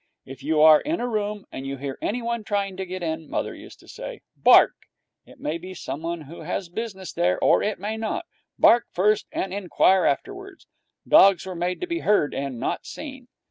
'If you are in a room and you hear anyone trying to get in,' mother used to say, 'bark. It may be someone who has business there, or it may not. Bark first, and inquire afterwards. Dogs were made to be heard and not seen.'